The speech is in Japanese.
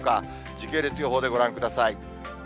時系列予報でご覧ください。